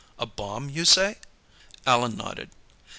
A bomb, you say?" Allan nodded.